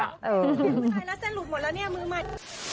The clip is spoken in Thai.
แบมพูดอะไรซะลุกหมดแล้วเนี่ยมือมั่ย